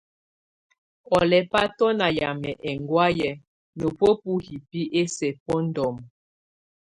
Ɔ lɛba tɔna yamɛ ɛnŋgɔayɛ na bɔa bɔ hibi ɛsɛ bɔ ndɔmɔ.